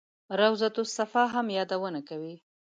روضته الصفا هم یادونه کوي.